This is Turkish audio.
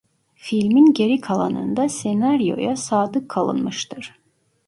Filmin geri kalanında senaryoya sadık kalınmıştır.